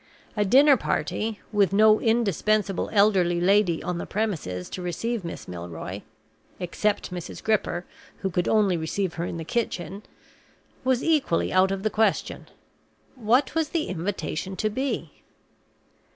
A dinner party, with no indispensable elderly lady on the premises to receive Miss Milroy except Mrs. Gripper, who could only receive her in the kitchen was equally out of the question. What was the invitation to be?